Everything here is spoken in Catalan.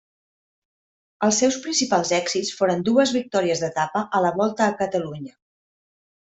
Els seus principals èxits foren dues victòries d'etapa a la Volta a Catalunya.